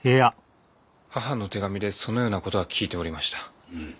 母の手紙でそのような事は聞いておりました。